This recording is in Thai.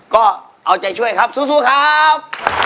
ก็เอาใจช่วยครับสู้ครับ